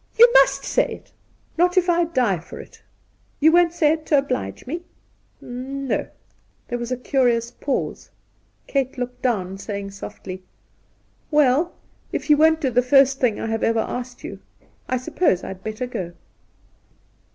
' You must say it !' 'Not ifl die for it!' ' You won't say it to oblige me ?'' N— no.' There was a curious pause. Kate looked down, saying softly :' Well, if you won't do the first thing I have ever asked you, I suppose I'd better go.'